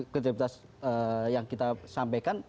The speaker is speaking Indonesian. kredibilitas yang kita sampaikan